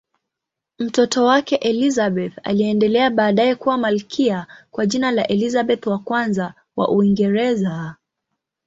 Mtoto wake Elizabeth aliendelea baadaye kuwa malkia kwa jina la Elizabeth I wa Uingereza.